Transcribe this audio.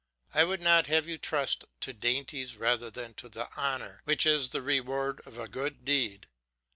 I would not have you trust to dainties rather than to the honour which is the reward of a good deed.